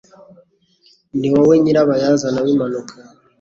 Ni wowe nyirabayazana w'impanuka.